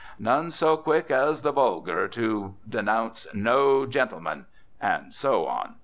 None so quick as the vulgar to denounce 'no gentleman.' And so on.